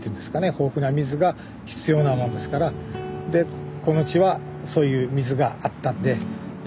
豊富な水が必要なもんですからでこの地はそういう水があったんでで